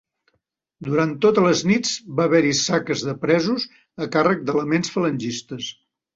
Durant totes les nits va haver-hi saques de presos a càrrec d'elements falangistes.